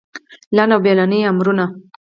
لنډ او بېړني امرونه